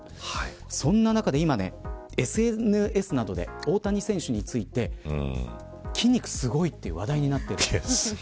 そんな中で今、ＳＮＳなどで大谷選手について筋肉すごいと話題になってるんです。